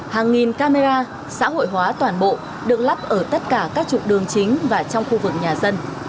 hàng nghìn camera xã hội hóa toàn bộ được lắp ở tất cả các trục đường chính và trong khu vực nhà dân